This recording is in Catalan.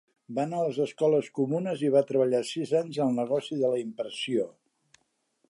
Va anar a les escoles comunes i va treballar sis anys al negoci de la impressió.